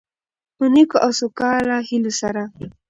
په نیکو او سوکاله هيلو سره،